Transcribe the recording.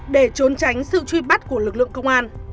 để trốn tránh sự truy bắt của lực lượng công an